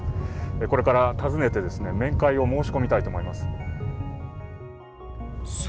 これから訪ねて面会を申し込みたいと思います。